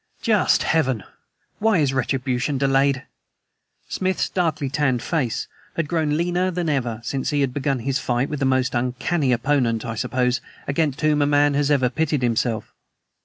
Just Heaven! Why is retribution delayed!" Smith's darkly tanned face had grown leaner than ever since he had begun his fight with the most uncanny opponent, I suppose, against whom a man ever had pitted himself.